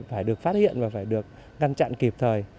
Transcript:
phải được phát hiện và phải được ngăn chặn kịp thời